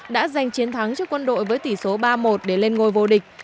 đã giành chiến thắng cho quân đội với tỷ số ba một để lên ngôi vô địch